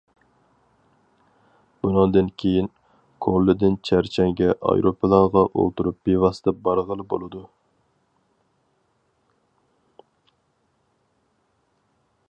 بۇنىڭدىن كېيىن، كورلىدىن چەرچەنگە ئايروپىلانغا ئولتۇرۇپ بىۋاسىتە بارغىلى بولىدۇ.